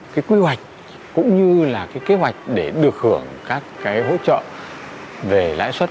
cái quy hoạch cũng như là cái kế hoạch để được hưởng các hỗ trợ về lãi xuất